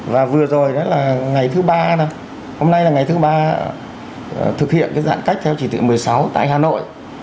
và vừa rồi đó là ngày thứ ba hôm nay là ngày thứ ba thực hiện giãn cách theo chỉ thị một mươi sáu tại hà nội